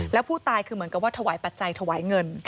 แล้วผู้ตายคือเหมือนกับว่าถวายปัจจัยถวายเงิน